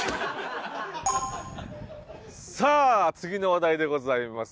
さあ次の話題でございます。